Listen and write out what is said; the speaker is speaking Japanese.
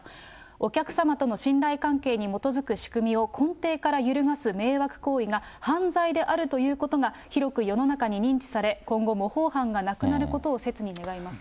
お客様との信頼関係に基づく仕組みを根底から揺るがす迷惑行為が犯罪であるということが、広く世の中に認知され、今後模倣犯がなくなることをせつに願いますと。